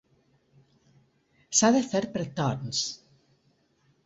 S'ha de fer per torns.